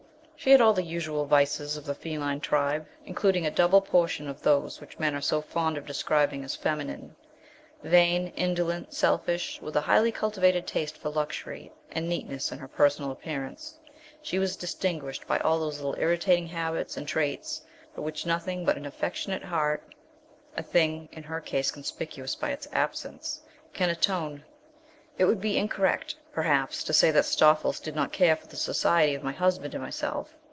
She had all the usual vices of the feline tribe, including a double portion of those which men are so fond of describing as feminine. Vain, indolent, selfish, with a highly cultivated taste for luxury and neatness in her personal appearance, she was distinguished by all those little irritating habits and traits for which nothing but an affectionate heart (a thing in her case conspicuous by its absence) can atone. It would be incorrect, perhaps, to say that Stoffles did not care for the society of my husband and myself.